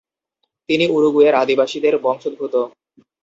তিনি উরুগুয়ের আদিবাসীদের বংশোদ্ভুত।